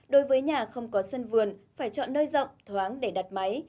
đối với nhà không có sân vườn phải chọn nơi rộng thoáng để đặt máy